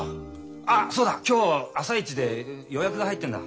あっそうだ今日朝イチで予約が入ってんだ。